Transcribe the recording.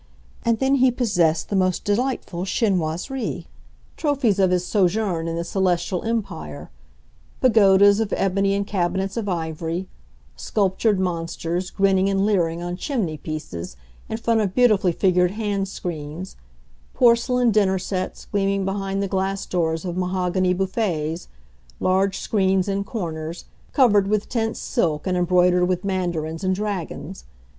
And then he possessed the most delightful chinoiseries—trophies of his sojourn in the Celestial Empire: pagodas of ebony and cabinets of ivory; sculptured monsters, grinning and leering on chimney pieces, in front of beautifully figured hand screens; porcelain dinner sets, gleaming behind the glass doors of mahogany buffets; large screens, in corners, covered with tense silk and embroidered with mandarins and dragons.